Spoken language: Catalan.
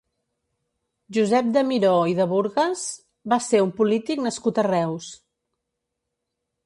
Josep de Miró i de Burgues va ser un polític nascut a Reus.